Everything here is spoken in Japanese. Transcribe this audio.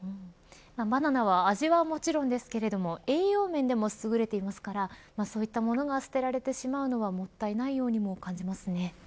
バナナは、味はもちろんですけど栄養面でも優れていますからそういったものが捨てられてしまうのはもったいないようにも感じますね。